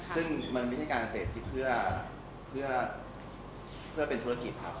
ซึ่งมันไม่ใช่การเสพที่เพื่อเป็นธุรกิจครับ